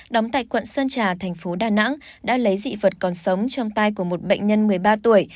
đóng tại quận sơn trà thành phố đà nẵng đã lấy dị vật còn sống trong tay của một bệnh nhân một mươi ba tuổi